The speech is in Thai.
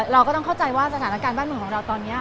เราก็ต้องเข้าใจว่าสถานการณ์บ้านเมืองของเราตอนนี้